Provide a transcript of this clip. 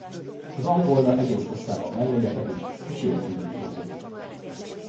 Az angolna egész hosszában melléje feküdt, és jól kinyújtózott.